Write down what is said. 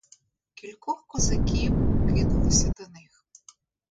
Кількох козаків кинулося до них.